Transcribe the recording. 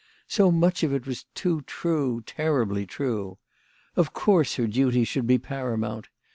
So much of it was too true, terribly true. Of course her duty should be paramount.